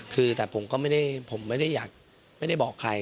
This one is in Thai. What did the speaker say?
คือแต่ผมก็ไม่ได้ผมไม่ได้อยากไม่ได้บอกใคร